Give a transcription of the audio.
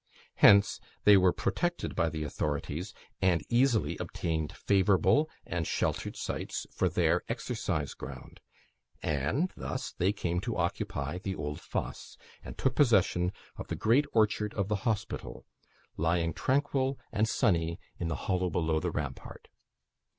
Hence they were protected by the authorities, and easily obtained favourable and sheltered sites for their exercise ground. And thus they came to occupy the old fosse, and took possession of the great orchard of the hospital, lying tranquil and sunny in the hollow below the rampart.